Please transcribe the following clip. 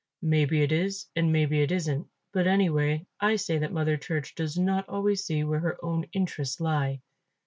"Maybe it is and maybe it isn't; but anyway I say that Mother Church does not always see where her own interests lie.